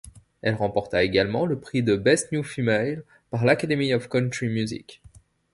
Elle remporta également le prix de Best New Female par l'Academy of Country Music.